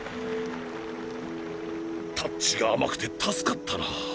タッチが甘くて助かったな。